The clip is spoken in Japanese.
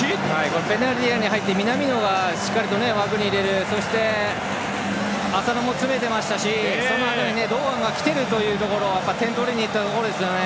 ペナルティーエリアに入って、南野がしっかり枠に入れて浅野も詰めていましたしそのあとに堂安が来ているところ点を取りにいったところですね。